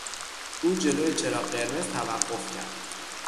او جلو چراغ قرمز توقف کرد.